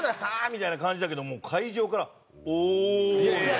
みたいな感じだけどもう会場から「おおー」みたいな。